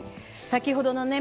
先ほどのね